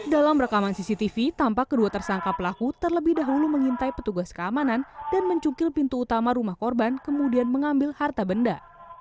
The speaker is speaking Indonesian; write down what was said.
dalam rekaman cctv tampak kedua tersangka pelaku terlebih dahulu mengintai petugas keamanan dan mencungkil pintu utama rumah korban kemudian mengambil harta benda